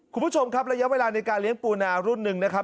คุณผู้ชมครับระยะเวลาในการเลี้ยงปูนารุ่นหนึ่งนะครับ